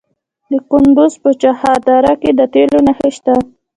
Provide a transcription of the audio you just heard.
د کندز په چهار دره کې د تیلو نښې شته.